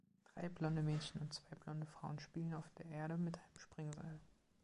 Drei blonde Mädchen und zwei blonde Frauen spielen auf der Erde mit einem Springseil